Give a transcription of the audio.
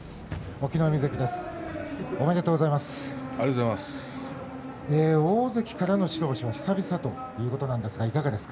隠岐の海関です。